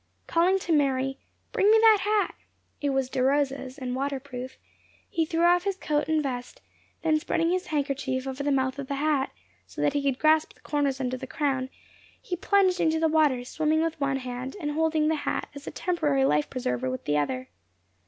Calling to Mary, "Bring me that hat" (it was De Rosa's, and water proof), he threw off his coat and vest, then spreading his handkerchief over the mouth of the hat, so that he could grasp the corners under the crown, he plunged into the water, swimming with one hand, and holding the hat as a temporary life preserver with the other.